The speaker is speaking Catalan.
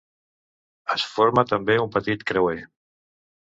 Es forma també un petit creuer.